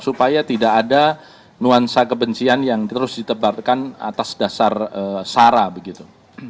supaya tidak ada nuansa kebencian yang terus ditebarkan atas dasar sara begitu